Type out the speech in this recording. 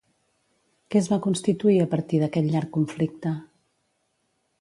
Què es va constituir a partir d'aquest llarg conflicte?